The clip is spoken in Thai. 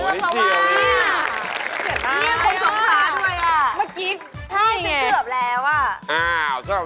แล้วสงขาสุดท้ายเหลือเค้าว่า